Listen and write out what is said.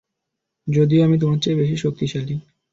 যদিও আমি তোমার চেয়ে বেশি শক্তিশালী।